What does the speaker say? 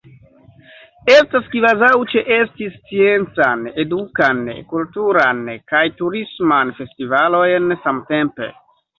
Estas kvazaŭ ĉeesti sciencan, edukan, kulturan kaj turisman festivalojn samtempe.